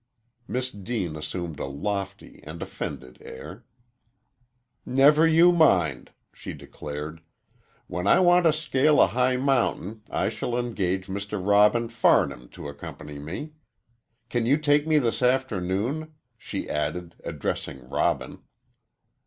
Miss Deane assumed a lofty and offended air. "Never you mind," she declared; "when I want to scale a high mountain I shall engage Mr. Robin Farnham to accompany me. Can you take me this afternoon?" she added, addressing Robin.